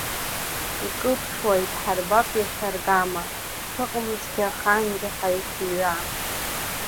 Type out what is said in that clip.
Икылԥшуа идҳарбап иахьа аргама, ҳшыҟамзгьы ахаангьы ҳаиқәҩа.